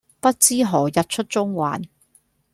不知何日出中環